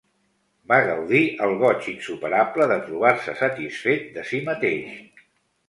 Va gaudir el goig insuperable de trobar-se satisfet de si mateix.